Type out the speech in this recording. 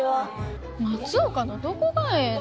松岡のどこがええの？